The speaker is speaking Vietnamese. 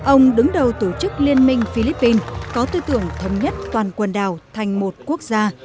ông đứng đầu tổ chức liên minh philippines có tư tưởng thống nhất toàn quần đảo thành một quốc gia